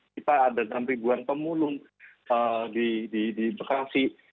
kita ada enam ribuan pemulung di bekasi